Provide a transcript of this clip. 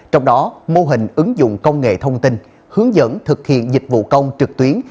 trong đó mô hình ứng dụng công nghệ thông tin hướng dẫn thực hiện dịch vụ công trực tuyến